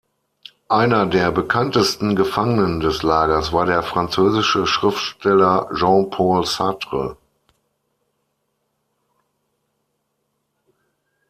Einer der bekanntesten Gefangenen des Lagers war der französische Schriftsteller Jean-Paul Sartre.